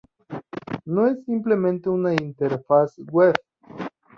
No es simplemente una interfaz web.